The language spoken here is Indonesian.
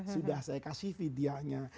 sudah saya kasih vidyanya